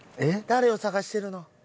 誰を探してるの？